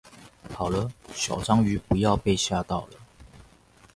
好了，小章魚，不要被嚇到了